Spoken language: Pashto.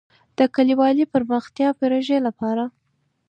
د کلیوالي پراختیا پروژې لپاره.